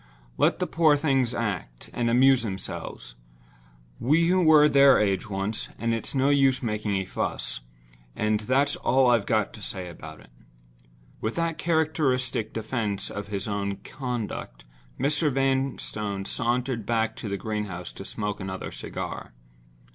let the poor things act, and amuse themselves. We were their age once—and it's no use making a fuss—and that's all I've got to say about it." With that characteristic defense of his own conduct, Mr. Vanstone sauntered back to the greenhouse to smoke another cigar.